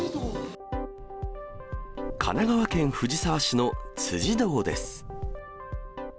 神奈川県藤沢市の辻堂です。